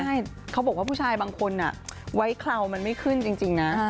ใช่เขาบอกว่าผู้ชายบางคนไว้เครามันไม่ขึ้นจริงนะ